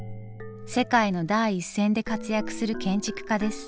世界の第一線で活躍する建築家です。